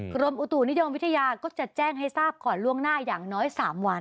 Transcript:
กรมอุตุนิยมวิทยาก็จะแจ้งให้ทราบก่อนล่วงหน้าอย่างน้อย๓วัน